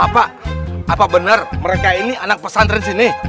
pak apa benar mereka ini anak pesantren sini